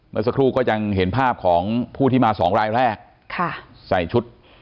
เมื่อสักครู่ก็ยังเห็นภาพของผู้ที่มาสองรายแรกใส่ชุด